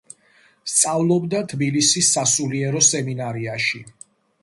სწავლობდა თბილისის სასულიერო სემინარიაში.